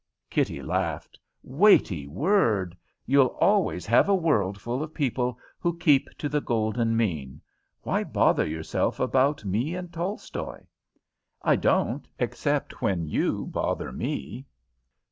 Kitty laughed. "Weighty word! You'll always have a world full of people who keep to the golden mean. Why bother yourself about me and Tolstoy?" "I don't, except when you bother me."